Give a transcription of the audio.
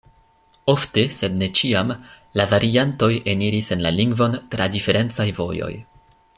Ofte, sed ne ĉiam, la variantoj eniris en la lingvon tra diferencaj vojoj.